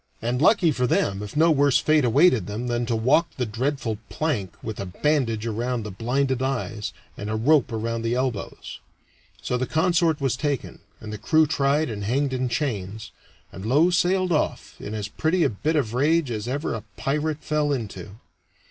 And lucky for them if no worse fate awaited them than to walk the dreadful plank with a bandage around the blinded eyes and a rope around the elbows. So the consort was taken, and the crew tried and hanged in chains, and Low sailed off in as pretty a bit of rage as ever a pirate fell into.